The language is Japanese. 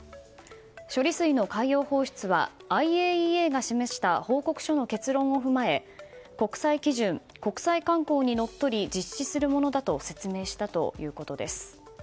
処理水の海洋放出はＩＡＥＡが示した報告書の結論を踏まえ国際基準、国際慣行にのっとり実施するものだと説明したということです。